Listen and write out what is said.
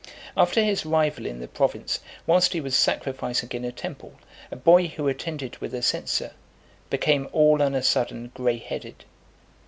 After his arrival in the province, whilst he was sacrificing in a temple, a boy who attended with a censer, became all on a sudden grey headed.